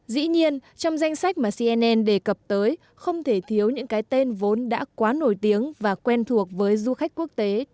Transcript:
dĩ nhiên trong danh sách mà cnn đề cập tới không thể thiếu những cái tên vốn đã quá nổi tiếng và quen thuộc với du khách quốc tế